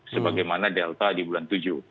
sebagaimana delta di bulan tujuh